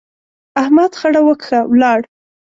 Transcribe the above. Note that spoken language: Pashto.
احمد خړه وکښه، ولاړ.